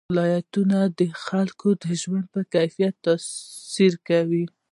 ولایتونه د خلکو د ژوند په کیفیت تاثیر کوي.